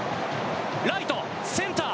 ライト、センター